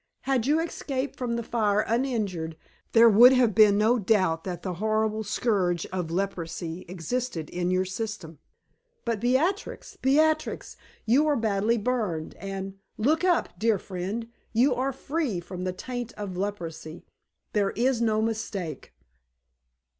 Had you escaped from the fire uninjured, there would have been no doubt that the horrible scourge of leprosy existed in your system. But, Beatrix, Beatrix! you are badly burned, and look up, dear friend you are free from the taint of leprosy; there is no mistake!"